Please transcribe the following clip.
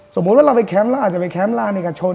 สมมุติว่าเราไปแคมป์เราอาจจะไปแคมป์ลานเอกชน